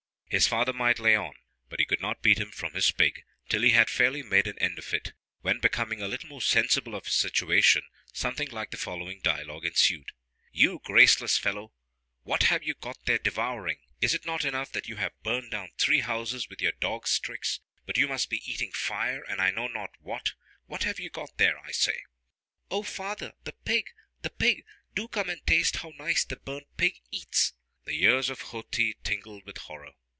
His father might lay on, but he could not beat him from his pig, till he had fairly made an end of it, when, becoming a little more sensible of his situation, something like the following dialogue ensued: "You graceless fellow, what have you got there devouring? Is it not enough that you have burned down three houses with your dog's tricks, but you must be eating fire and I know not what what have you got there, I say?" "O father, the pig, the pig, do come and taste how nice the burnt pig eats." The ears of Ho ti tingled with horror.